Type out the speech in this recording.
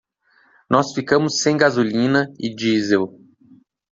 Nós ficamos sem gasolina e diesel.